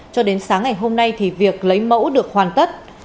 cho đến sáng ngày hôm nay thì việc lấy mẫu được hoàn tất